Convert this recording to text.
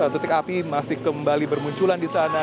titik api masih kembali bermunculan di sana